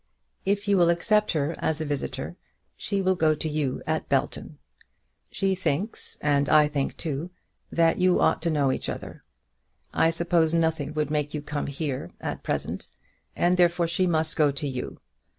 If you will accept her as a visitor, she will go to you at Belton. She thinks, and I think too, that you ought to know each other. I suppose nothing would make you come here, at present, and therefore she must go to you.